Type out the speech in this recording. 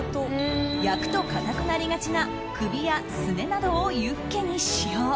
焼くと硬くなりがちな首や、すねなどをユッケに使用。